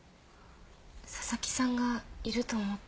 紗崎さんがいると思って。